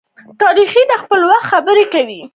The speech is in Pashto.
تاریخ د خپل وخت خبره کوي.